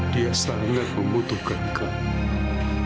dia sangat membutuhkan kamu